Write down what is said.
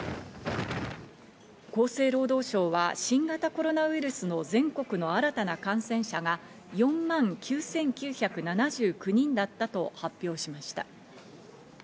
厚生労働省は新型コロナウイルスの全国の新たな感染者が４万９９７９人だったと発表しました。